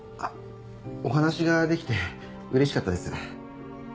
お話ができてうれしかったです。